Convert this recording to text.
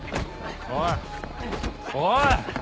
おいおい！